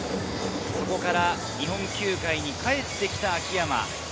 そこから日本球界に帰ってきた秋山。